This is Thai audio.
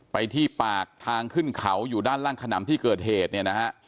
ไปที่ปากทางขึ้นเขาอยู่ด้านล่างขนำที่เกิดเหตุเนี่ยนะฮะ